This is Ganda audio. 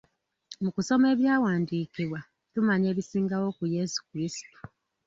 Mu kusoma ebyawandiikibwa, tumanya ebisingawo ku Yesu Krisitu.